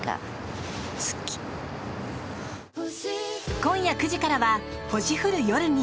今夜９時からは「星降る夜に」。